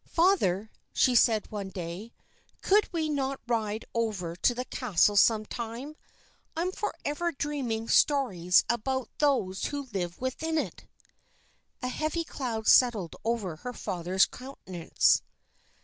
"Father," she said one day, "could we not ride over to that castle some time? I'm forever dreaming stories about those who live within it." A heavy cloud settled over her father's countenance.